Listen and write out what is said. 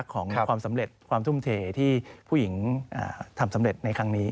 ของความสำเร็จความทุ่มเทที่ผู้หญิงทำสำเร็จในครั้งนี้